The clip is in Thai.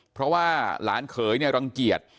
เพราะว่าหลานเขยเนี่ยรังเกียจ